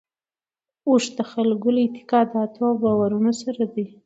اوښ د خلکو له اعتقاداتو او باورونو سره دی.